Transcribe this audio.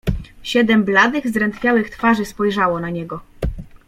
"Siedem bladych, zdrętwiałych twarzy spojrzało na niego."